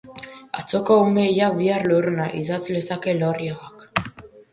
Atzoko ume hilak, bihar lurruna, idatz lezake Elorriagak.